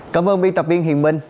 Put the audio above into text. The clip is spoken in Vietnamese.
cảm ơn biên tập viên hiền minh